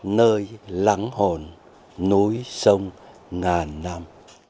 nơi lắng hồn núi sông ngàn năm